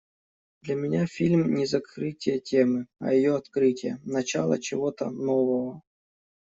Для меня фильм не закрытие темы, а ее открытие, начало чего-то нового.